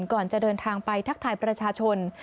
ก่อนจะเดินทางไปทักทายประชาชน